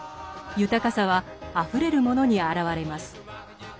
豊かさはあふれるモノにあらわれます。